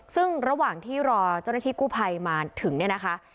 ซึ่งระหว่างที่รอเจ้าหน้าที่กู้ภัยมาถึงเนี่ยนะคะ